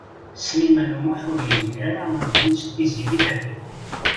Sliman U Muḥ ur yezmir ara ad yeǧǧ Tiziri Tagawawt.